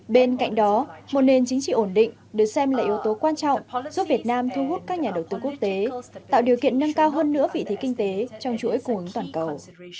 bên cạnh đó một nền chính trị ổn định được xem là yếu tố quan trọng giúp việt nam thu hút các nhà đầu tư quốc tế tạo điều kiện nâng cao hơn nữa vị thế kinh tế trong chuỗi cung ứng toàn cầu